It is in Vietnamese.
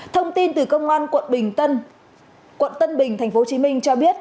thông tin từ công an quận bình tân quận tân bình tp hcm cho biết